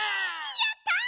やった！